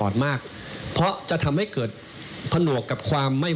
น่าจะดีกว่าค่ะ